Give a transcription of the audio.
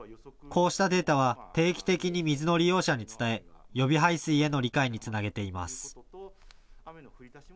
こうしたデータは定期的に水の利用者に伝え、予備排水への理解につなげています。